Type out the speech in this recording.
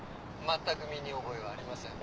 全く身に覚えはありません。